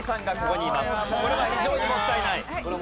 これは非常にもったいない。